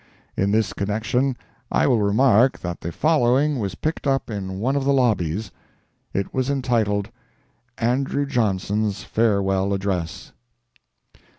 In this connection I will remark that the following was picked up in one of the lobbies. It was entitled "ANDREW JOHNSON'S FAREWELL ADDRESS.